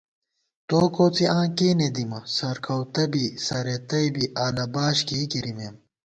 تو کوڅی آں کېنے دِمہ سرکؤتہ بی سرېتَئ بی اَلہ باش کېئ گِرِمېم